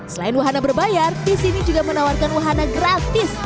selain wahana berbayar disini juga menawarkan wahana gratis